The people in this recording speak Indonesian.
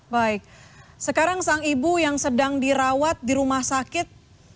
baik sekarang sang ibu yang sedang dirawat di rumah sakit